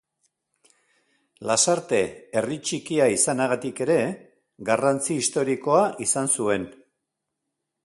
Lasarte herri txikia izanagatik ere, garrantzi historikoa izan zuen.